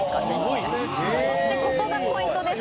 「そしてここがポイントです」